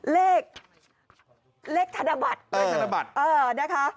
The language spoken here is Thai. เลขเลขธนบัตรเออนะคะ